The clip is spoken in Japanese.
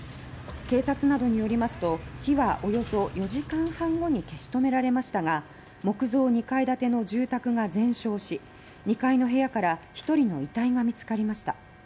警察などによりますと火はおよそ４時間半後に消し止められましたが木造２階建ての住宅が全焼し２階の部屋から１人の遺体が見つかりました。